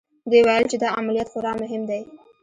دوی ویل چې دا عملیات خورا مهم دی